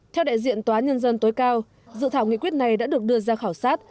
theo đại diện tòa án nhân dân tối cao dự thảo nghị quyết này đã được đưa ra khảo sát